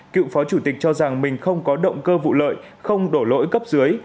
cựu phó chủ tịch cho rằng mình không có động cơ vụ lợi không đổ lỗi cấp dưới